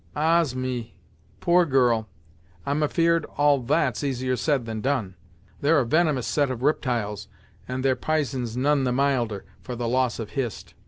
"Ahs! me, poor girl; I'm afeard all that's easier said than done. They're a venomous set of riptyles and their p'ison's none the milder, for the loss of Hist.